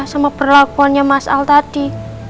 sama perlakuannya mas al tadi